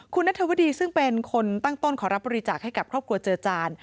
คุณนัทวดีซึ่งเป็นคนตั้งต้นขอรับบริจาคให้กับครอบครัวเจอจาน